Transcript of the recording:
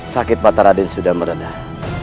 sakit mata raden sudah meredah